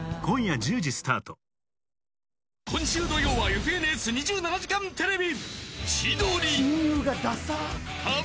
今週土曜は「ＦＮＳ２７時間テレビ」。